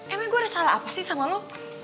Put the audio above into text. emang gue ada salah apa sih sama lo